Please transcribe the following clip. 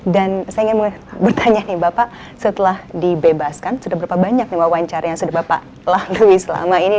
dan saya ingin bertanya nih bapak setelah dibebaskan sudah berapa banyak wawancar yang sudah bapak lalui selama ini